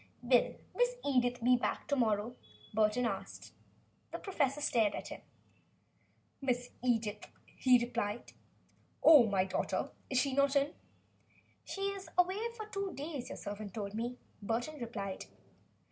"Will Miss Edith be back to morrow?" Burton asked. The professor stared at him. "Miss Edith?" he repeated. "Oh! my daughter? Is she not in?" "She is away for two days, your servant told me," Burton replied.